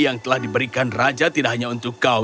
yang telah diberikan raja tidak hanya untuk kau